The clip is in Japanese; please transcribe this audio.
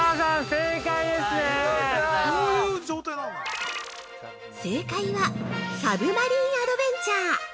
◆正解は、サブマリン・アドベンチャー。